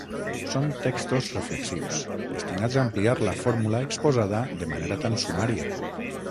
Són textos reflexius destinats a ampliar la fórmula exposada de manera tan sumària.